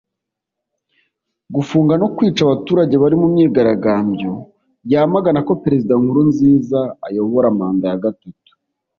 gufunga no kwica abaturage bari mu myigirambyo yamagana ko Perezida Nkurunziza ayobora manda ya gatatu